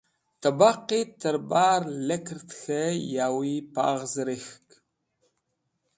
Tẽbaqẽv tẽr yir likerk k̃hẽ yawi paghz rek̃hk.